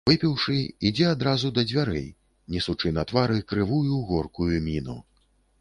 Выпіўшы, ідзе адразу да дзвярэй, несучы на твары крывую горкую міну.